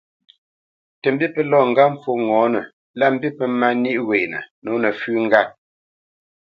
Tə mbî pə́ lɔ ŋgàt pfó ŋɔ̌nə lâ mbî pə́ mà nîʼ wenə nǒ nəfʉ́ ŋgât.